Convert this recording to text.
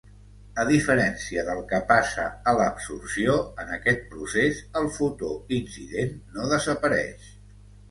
A diferència del que passa a l'absorció, en aquest procés el fotó incident no desapareix.